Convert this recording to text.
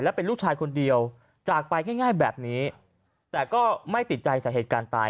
เป็นลูกชายคนเดียวจากไปง่ายแบบนี้แต่ก็ไม่ติดใจสาเหตุการณ์ตาย